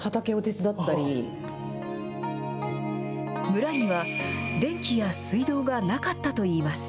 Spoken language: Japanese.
村には、電気や水道がなかったといいます。